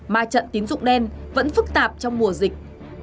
ma trận tín dụng đen vẫn phức tạp trong mùa dịch